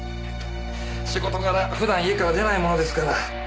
仕事柄普段家から出ないものですから。